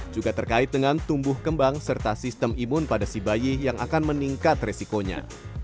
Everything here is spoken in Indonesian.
juga terkait dengan tumbuh kembang serta sistem imun pada si bayi yang akan meningkat resikonya